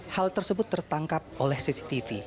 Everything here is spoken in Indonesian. hal tersebut tertangkap oleh cctv